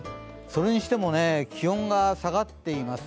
それにしても気温が下がっています。